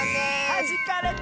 はじかれた！